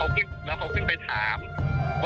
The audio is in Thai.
อันนี้ผมไม่แน่ใจนะ